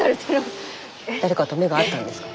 スタジオ誰かと目が合ったんですか？